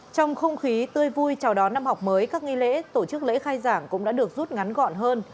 trong không khí tươi vui chào đón năm học mới các nghi lễ tổ chức lễ khai giảng cũng đã được rút ngắn gọn hơn